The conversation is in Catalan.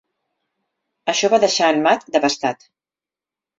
Això va deixar en Matt devastat.